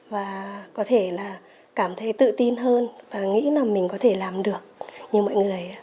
và có thể là cảm thấy tự tin hơn và nghĩ là mình có thể làm được như mọi người